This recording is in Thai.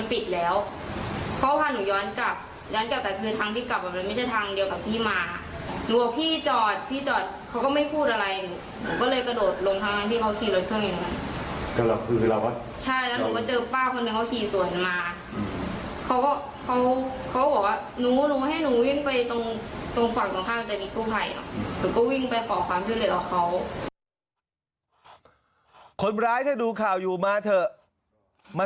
ปั๊มเก่าเก่าเหมือนคือมันปิดแล้วเขาก็พาหนูย้อนกลับย้อนกลับแต่คือทางที่กลับมันไม่ใช่ทางเดียวกับที่มา